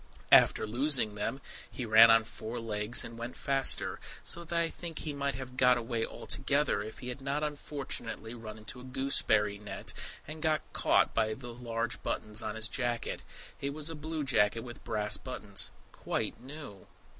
After losing them, he ran on four legs and went faster, so that I think he might have got away altogether if he had not unfortunately run into a gooseberry net, and got caught by the large buttons on his jacket. It was a blue jacket with brass buttons, quite new.